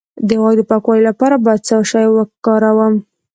د غوږ د پاکوالي لپاره باید څه شی وکاروم؟